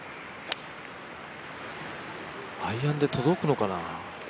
アイアンで届くのかな。